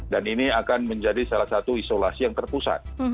dan ini akan menjadi salah satu isolasi yang terpusat